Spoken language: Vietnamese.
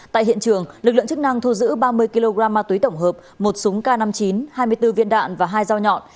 tại hiện trường lực lượng chức năng thu giữ ba mươi kg ma túy tổng hợp một súng k năm mươi chín hai mươi bốn viên đạn và hai dao nhọn